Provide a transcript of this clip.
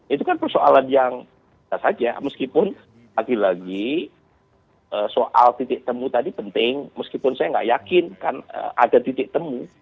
itu kan persoalan yang saja meskipun lagi lagi soal titik temu tadi penting meskipun saya nggak yakin kan ada titik temu